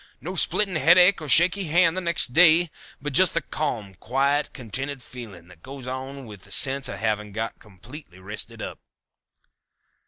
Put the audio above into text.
No splitting headache or shaky hand the next day, but just the calm, quiet, contented feeling that goes with the sense of having got completely rested up."